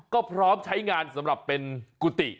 ก็พร้อมใช้งานสำหรับเป็นกุฏิ